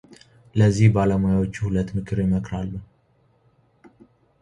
ለዚህ ባለሙያዎቹ ሁለት ምክር ይመክራሉ።